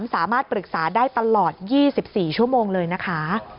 สามารถปรึกษาได้ตลอด๒๔ชั่วโมงเลยนะคะ